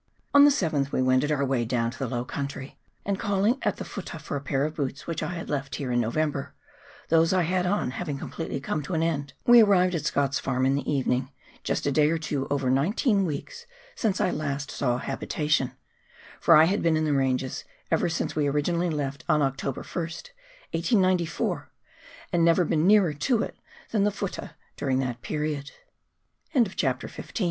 " On the 7th we wended our way down to the low country, and calling at the futtah for a pair of boots which I had left here in November — those I had on having completely come to an end — we arrived at Scott's farm in the evening, just a day or two over nineteen weeks since I last saw habitation ; for I had been in the ranges ever since we originally left on October 1st, 1894, and never been nearer to it than the futtah duri